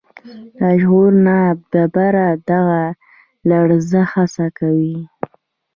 لاشعور ناببره دغه لړزه حس کوي.